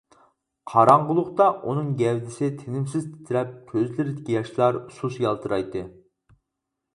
قاراڭغۇلۇقتا ئۇنىڭ گەۋدىسى تىنىمسىز تىترەپ كۆزلىرىدىكى ياشلار سۇس يالتىرايتتى.